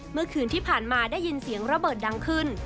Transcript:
เมื่อคืนที่ผ่านมาได้ยินเสียงระเบิดดังขึ้น